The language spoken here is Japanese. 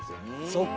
そっか。